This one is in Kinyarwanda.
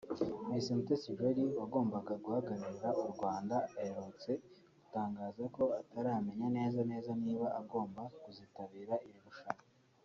Miss Mutesi Jolly wagombaga kuzahagararira u Rwanda aherutse gutangaza ko ataramenya neza neza niba agomba kuzitabira iri rushanwa